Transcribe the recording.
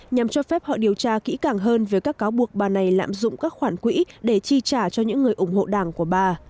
nhằm cho phép họ điều tra kỹ càng hơn về các cáo buộc bà này lạm dụng các khoản quỹ để chi trả cho những người ủng hộ đảng của bà